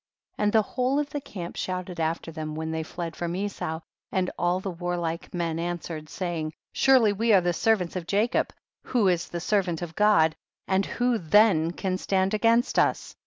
31. And the whole of the camp shouted after them when they fled from Esau, and all the warlike men answered, saying, 32. Surely we are the servants of Jacob ivJio is the servant of God, and who then can stand against us